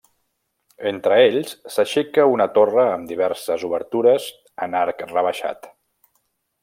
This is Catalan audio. Entre ells, s'aixeca una torre amb diverses obertures en arc rebaixat.